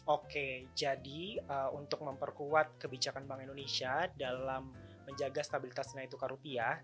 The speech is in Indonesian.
oke jadi untuk memperkuat kebijakan bank indonesia dalam menjaga stabilitas nilai tukar rupiah